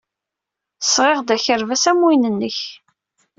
Sɣiɣ-d akerbas am win-nnek.